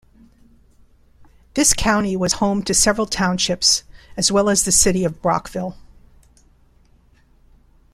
This county was home to several townships as well as the city of Brockville.